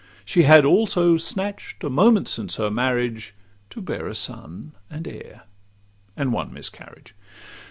She had also snatch'd a moment since her marriage To bear a son and heir—and one miscarriage.